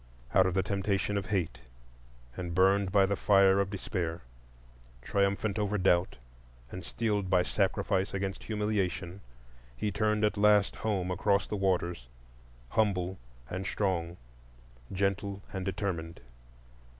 Out of the temptation of Hate, and burned by the fire of Despair, triumphant over Doubt, and steeled by Sacrifice against Humiliation, he turned at last home across the waters, humble and strong, gentle and determined.